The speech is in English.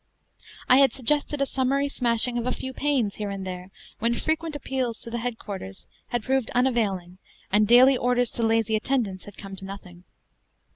I had suggested a summary smashing of a few panes here and there, when frequent appeals to headquarters had proved unavailing and daily orders to lazy attendants had come to nothing.